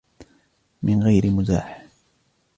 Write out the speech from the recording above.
من غير مزاح!